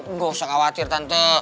nggak usah khawatir tante